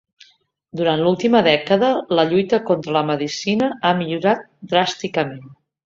Durant l'última dècada la lluita contra la medicina ha millorat dràsticament.